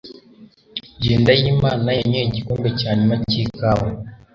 Jyendayimana yanyoye igikombe cya nyuma cyikawa